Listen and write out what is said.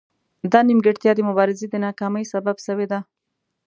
دا نیمګړتیا د مبارزې د ناکامۍ سبب شوې ده